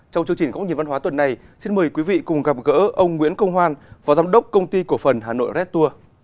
trong chương trình cốc nhìn văn hóa tuần này xin mời quý vị cùng gặp gỡ ông nguyễn công hoan phó giám đốc công ty cổ phần hà nội red tour